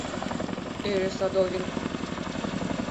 — Ӧрӧ Садовин.